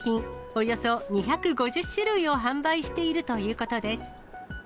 およそ２５０種類を販売しているということです。